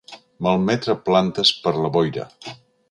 Malmetre plantes per la boira.